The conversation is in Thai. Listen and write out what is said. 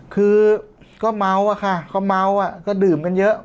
คือก็เมาอะค่ะก็เมาอ่ะก็ดื่มกันเยอะ